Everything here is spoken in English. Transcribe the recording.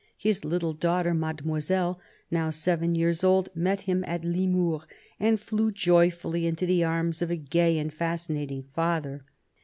His little daughter, Mademoiselle, now seven years old, met him at Limours, and flew joyfully into the arms of a gay and fascinating father.